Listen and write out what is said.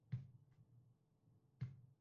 Qora kiygin, qayg‘uga to‘lgin.